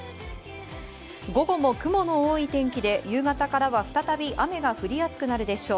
午後も雲の多い天気で夕方からは再び雨が降りやすくなるでしょう。